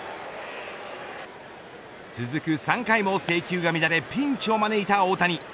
続く３回も制球が乱れピンチを招いた大谷。